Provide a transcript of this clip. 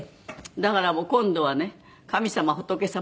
だからもう今度はね「神様仏様旦那様」で。